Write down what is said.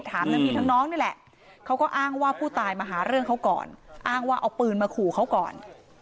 ทั้งพี่ทั้งน้องนี่แหละเขาก็อ้างว่าผู้ตายมาหาเรื่องเขาก่อนอ้างว่าเอาปืนมาขู่เขาก่อน